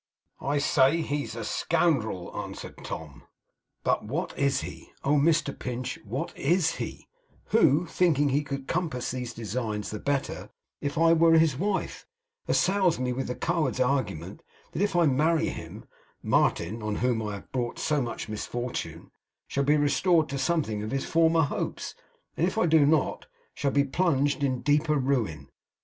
'I say he is a scoundrel!' answered Tom. 'But what is he oh, Mr Pinch, what IS he who, thinking he could compass these designs the better if I were his wife, assails me with the coward's argument that if I marry him, Martin, on whom I have brought so much misfortune, shall be restored to something of his former hopes; and if I do not, shall be plunged in deeper ruin?